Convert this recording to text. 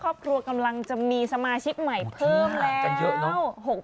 ครอบครัวกำลังจะมีสมาชิกใหม่เพิ่มแล้ว